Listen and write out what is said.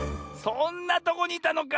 そんなとこにいたのか。